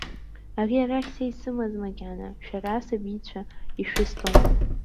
Ари арахь са исымаз макьана, шәара асабицәа ишәысҭом.